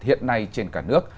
hiện nay trên cả nước